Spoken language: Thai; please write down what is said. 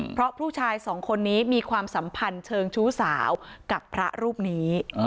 เพราะผู้ชายสองคนนี้มีความสัมพันธ์เชิงชู้สาวกับพระรูปนี้